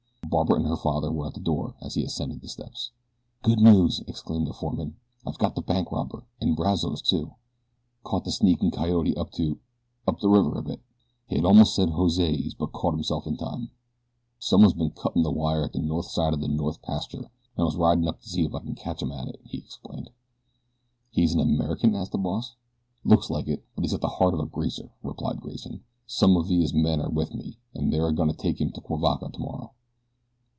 Barbara and her father were at the door as he ascended the steps. "Good news!" exclaimed the foreman. "I've got the bank robber, and Brazos, too. Caught the sneakin' coyote up to up the river a bit." He had almost said "Jose's;" but caught himself in time. "Someone's been cuttin' the wire at the north side of the north pasture, an' I was ridin' up to see ef I could catch 'em at it," he explained. "He is an American?" asked the boss. "Looks like it; but he's got the heart of a greaser," replied Grayson. "Some of Villa's men are with me, and they're a goin' to take him to Cuivaca tomorrow."